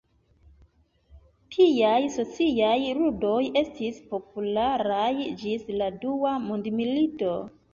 Tiaj sociaj ludoj estis popularaj ĝis la Dua Mondmilito.